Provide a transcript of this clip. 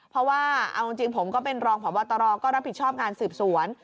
เพราะว่าเอาจริงผมก็เป็นรองพบตรก็รับผิดชอบงานสืบสวน